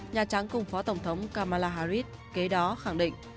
nhà trắng cùng phó tổng thống kamala harris kế đó khẳng định